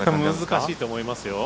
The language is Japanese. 難しいと思いますよ。